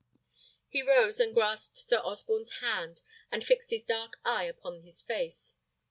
He rose and grasped Sir Osborne's hand, and fixed his dark eye upon his face.